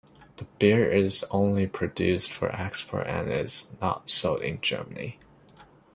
The beer is only produced for export and is not sold in Germany.